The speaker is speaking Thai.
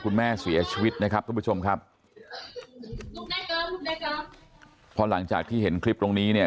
คุณแม่เสียชีวิตนะครับทุกผู้ชมครับพอหลังจากที่เห็นคลิปตรงนี้เนี่ย